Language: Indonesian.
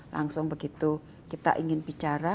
langsung begitu kita ingin bicara